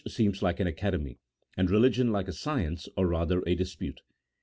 seems like an academy, and religion like a science, or rather a dispnte.